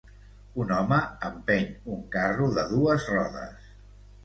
Un home empeny un carro de dues rodes